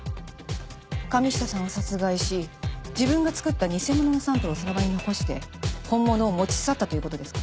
神下さんを殺害し自分が作った偽物のサンプルをその場に残して本物を持ち去ったという事ですか？